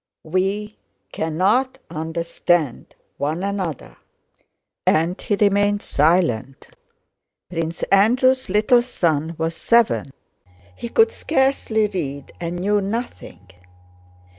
We cannot understand one another," and he remained silent. Prince Andrew's little son was seven. He could scarcely read, and knew nothing.